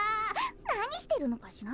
なにしてるのかしら？